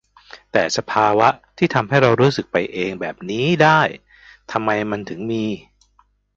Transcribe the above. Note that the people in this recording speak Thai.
แต่สภาวะที่ทำให้เรารู้สึกไปเองแบบนี้ได้ ทำไมมันถึงมี ?